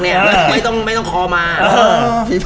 อันนี้